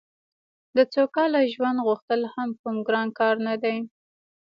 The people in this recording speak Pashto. د سوکاله ژوند غوښتل هم کوم ګران کار نه دی